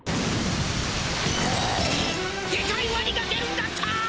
デカいワニが出るんだった！